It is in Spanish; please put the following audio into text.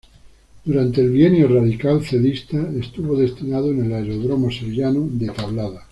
Durante el Bienio Radical-cedista, estuvo destinado en el aeródromo sevillano de Tablada.